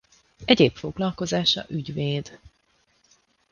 Egyéb foglalkozása ügyvéd.